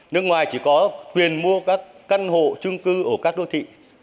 nước ngoài chỉ có quyền mua các căn hộ trung cư ở các đô thị